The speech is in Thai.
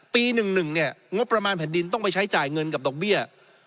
๑๑เนี่ยงบประมาณแผ่นดินต้องไปใช้จ่ายเงินกับดอกเบี้ย